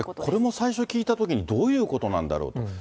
これも最初聞いたときに、どういうことなんだろうと。